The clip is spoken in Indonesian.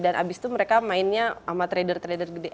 dan abis itu mereka mainnya sama trader trader gede